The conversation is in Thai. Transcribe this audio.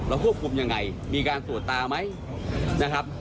ควบคุมยังไงมีการตรวจตาไหมนะครับ